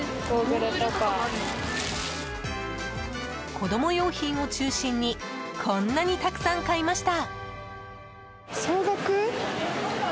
子供用品を中心にこんなにたくさん買いました。